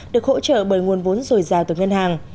được hỗ trợ bởi nguồn vốn rồi rào từ ngân hàng